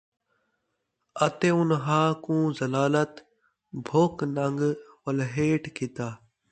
اَتے اُنھاں کوں ذلالت بُھک ننگ وَلھیٹ گِھدا،